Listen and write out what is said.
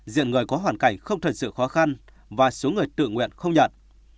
diện người có hoàn cảnh không thật sự khó khăn và số người tự nguyện không nhận